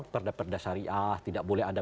perda perda syariah tidak boleh ada